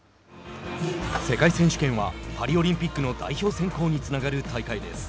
世界選手権はパリオリンピックの代表選考につながる大会です。